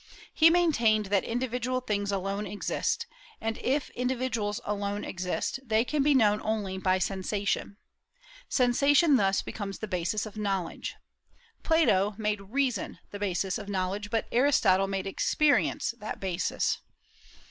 He maintained that individual things alone exist; and if individuals alone exist, they can be known only by sensation. Sensation thus becomes the basis of knowledge. Plato made reason the basis of knowledge, but Aristotle made experience that basis.